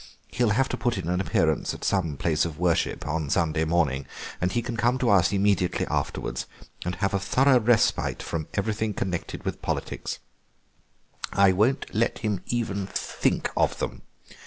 He'll have to put in an appearance at some place of worship on Sunday morning, and he can come to us immediately afterwards and have a thorough respite from everything connected with politics. I won't let him even think of them.